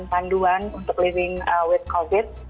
pemerintah inggris pengeluarkan panduan untuk living with covid